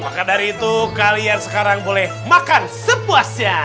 maka dari itu kalian sekarang boleh makan sepuasnya